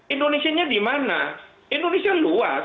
indonesia nya di mana indonesia luas